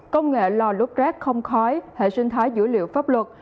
công nghệ lò đốt rác không khói hệ sinh thái dữ liệu pháp luật